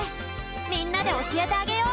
みんなでおしえてあげよう。